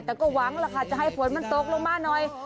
แต่ก็หวังแล้วค่ะจะให้ฝนมันตกลงมาหน่อย